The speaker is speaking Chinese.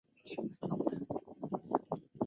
安徽歙县人。